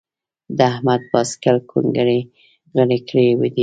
د احمد باسکل کونګري غلي کړي دي.